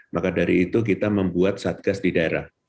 maka dari itu kita membuat satgas di daerah